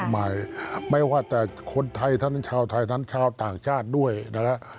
ไม่ว่าแต่คนไทยชาวไทยชาวต่างชาติด้วยนะฮะ